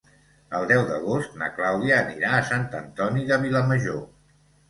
El deu d'agost na Clàudia anirà a Sant Antoni de Vilamajor.